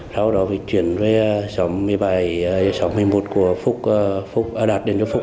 sau đó chuyển về sáu mươi bảy sáu mươi một của phúc đặt đến cho phúc